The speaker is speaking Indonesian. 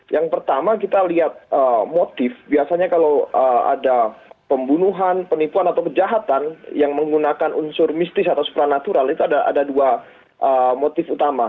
yang pertama kita lihat motif biasanya kalau ada pembunuhan penipuan atau kejahatan yang menggunakan unsur mistis atau supranatural itu ada dua motif utama